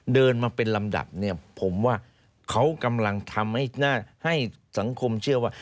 เดินมาเป็นลำดับเนี่ยผมว่าเขากำลังทำให้สังคมเชื่อว่า